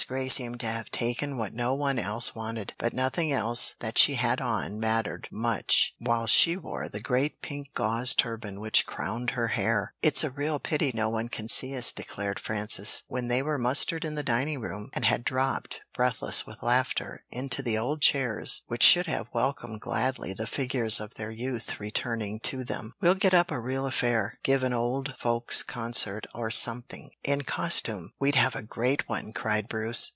Grey seemed to have taken what no one else wanted, but nothing else that she had on mattered much while she wore the great pink gauze turban which crowned her hair. "It's a real pity no one can see us," declared Frances, when they were mustered in the dining room, and had dropped, breathless with laughter, into the old chairs which should have welcomed gladly the figures of their youth returning to them. "We'll get up a real affair, give an old folks' concert or something, in costume we'd have a great one," cried Bruce.